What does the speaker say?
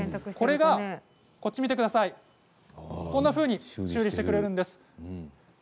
これが、こんなふうに修理してくれるんです。